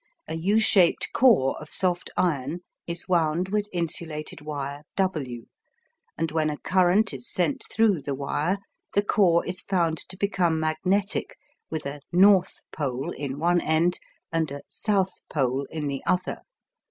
A U shaped core of soft iron is wound with insulated wire W, and when a current is sent through the wire, the core is found to become magnetic with a "north" pole in one end and a "south" pole in the other.